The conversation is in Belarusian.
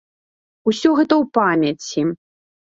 Усё гэта ў памяці.